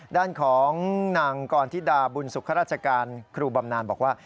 ด้านของนางกรธิดาบุญสุขข้าราชการครูบำนานบอกว่า